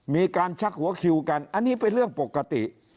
ชักหัวคิวกันอันนี้เป็นเรื่องปกติ